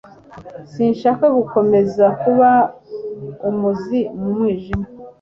Sinshaka gukomeza kuba umuzi mu mwijima